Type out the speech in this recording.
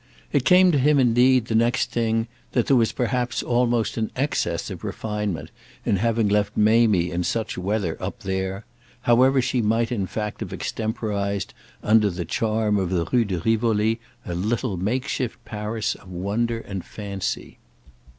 It came to him indeed the next thing that there was perhaps almost an excess of refinement in having left Mamie in such weather up there alone; however she might in fact have extemporised, under the charm of the Rue de Rivoli, a little makeshift Paris of wonder and fancy.